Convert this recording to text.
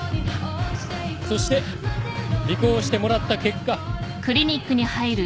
そして尾行してもらった結果。